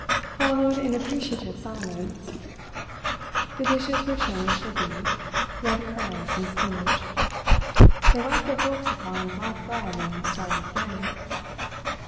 Followed an appreciative silence. The dishes were changed for beef, red currants and spinach. They wiped their forks upon black bread and started again.